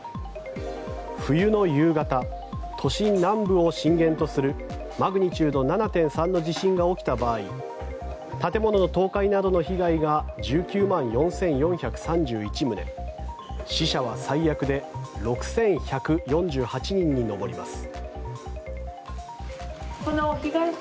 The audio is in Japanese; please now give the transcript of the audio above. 冬の夕方、都心南部を震源とするマグニチュード７．３の地震が起きた場合建物の倒壊などの被害が１９万４４３１棟死者は最悪で６１４８人に上ります。